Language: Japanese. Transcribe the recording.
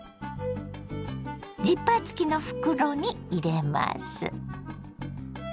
ジッパー付きの袋に入れます。